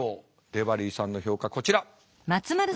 デバリーさんの評価こちら。